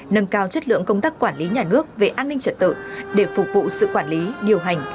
nâng cao chất lượng công tác quản lý nhà nước về an ninh trật tự để phục vụ sự quản lý điều hành